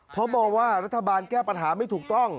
เพราะมองว่ารัฐบาลแก้ปัญหาไม่ถูกต้อง